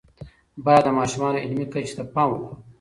باید د ماشومانو علمی کچې ته پام وکړو.